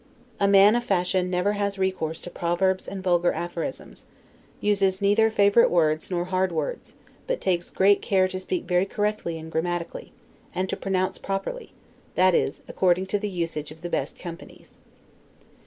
A man of fashion never has recourse to proverbs and vulgar aphorisms; uses neither favorite words nor hard words; but takes great care to speak very correctly and grammatically, and to pronounce properly; that is, according to the usage of the best companies.